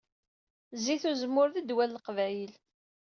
Zit uzemmur d ddwa n leqvayel